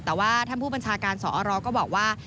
แต่ว่าท่านผู้บัญชาการสอรก็บอกว่า